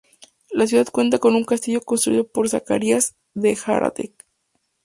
La ciudad cuenta con un castillo construido por Zacarías de Hradec.